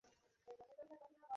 পাট ক্ষেতে গিয়েছিস?